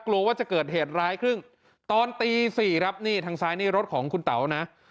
กลัวว่าจะเกิดเหตุร้ายครึ่งตอนตี๔ครับนี่ทางซ้ายนี่รถของคุณเต๋านะ